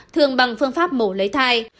thường bằng phương pháp bổ lấy thai